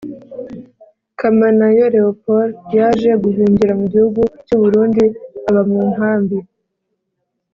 Kamanayo leopord yaje guhungira mu gihugu cy u burundi aba mu nkambi